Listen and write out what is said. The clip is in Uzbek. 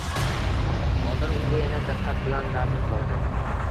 Nodir unga yana diqqat bilan razm soldi.